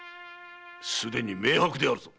すでに明白であるぞ！